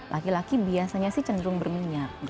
laki laki biasanya sih cenderung berminyak